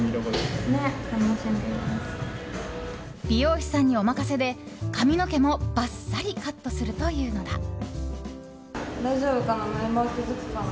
美容師さんにお任せで髪の毛も、バッサリカットするというのだ。